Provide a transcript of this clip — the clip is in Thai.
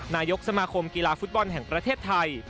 นายกสมาคมกีฬาฟุตบอลแห่งประเทศไทย